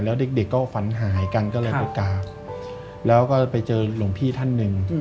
แล้วเด็กก็ฝันหายกันก็เลยไปกราบแล้วก็ไปเจอหลวงพี่ท่านหนึ่ง